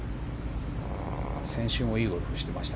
先週もいいゴルフをしていました。